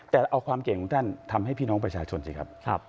แต่เอาความเก่งของท่านทำให้พี่น้องประชาชนสิครับ